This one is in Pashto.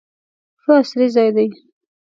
ښه عصري ځای دی.